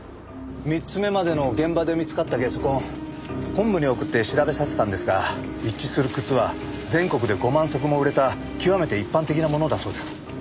３つ目までの現場で見つかったゲソ痕本部に送って調べさせたんですが一致する靴は全国で５万足も売れた極めて一般的なものだそうです。